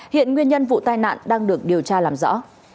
hiện nguyên nhân vụ tai nạn đang được điều tra làm rõ